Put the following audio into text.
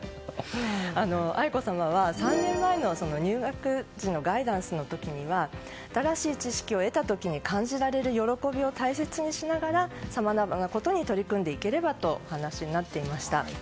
愛子さまは、３年前の入学時のガイダンスの時には新しい知識を得た時に感じられる喜びを大切にしながらさまざまなことに取り組んでいければとお話になっていました。